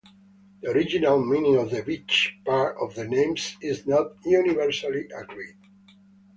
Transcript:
The original meaning of the "beach" part of the names is not universally agreed.